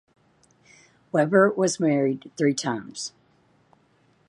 Weber was married three times.